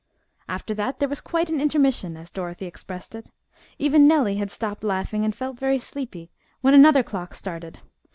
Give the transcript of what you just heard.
After that there was quite an intermission, as Dorothy expressed it. Even Nellie had stopped laughing and felt very sleepy, when another clock started.